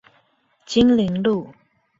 金陵路